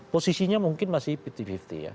posisinya mungkin masih lima puluh lima puluh ya